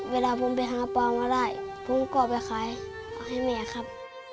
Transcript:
เวลาผมไปหาปลามาได้ผมก็ไปขายให้แม่ครับ